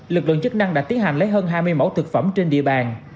lực lượng chức năng đã tiến hành lấy hơn hai mươi mẫu thực phẩm trên địa bàn